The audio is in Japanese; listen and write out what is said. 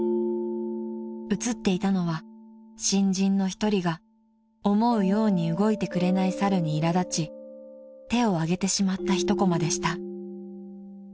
［映っていたのは新人の一人が思うように動いてくれない猿にいら立ち手を上げてしまったひとこまでした］